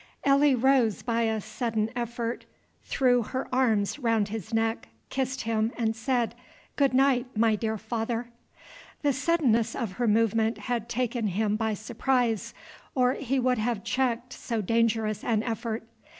Elsie rose by a sudden effort, threw her arms round his neck, kissed him, and said, "Good night, my dear father!" The suddenness of her movement had taken him by surprise, or he would have checked so dangerous an effort.